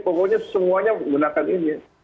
pokoknya semuanya menggunakan ini